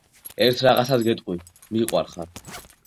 ერთ რაღაცას გეტყვი.მიყვარხარ